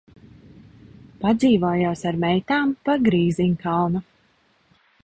... Padzīvojos ar meitām pa Grīziņkalnu.